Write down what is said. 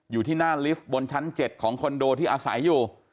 อยู่ที่หน้าลิฟต์บนชั้น๗ของคอนโดที่อาศัยอยู่